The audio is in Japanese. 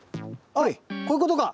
あっこういうことか！